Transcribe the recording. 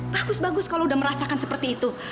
bagus bagus kalau udah merasakan seperti itu